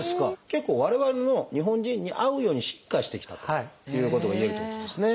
結構我々の日本人に合うように進化してきたということがいえるということですね。